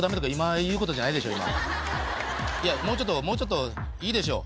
いやもうちょっともうちょっといいでしょ